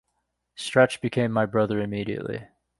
Stretch became my brother immediately.